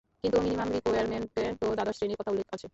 কিন্তু মিনিমাম রিকুয়েরমেন্টে তো দ্বাদশ শ্রেণীর কথা উল্লেখ আছে।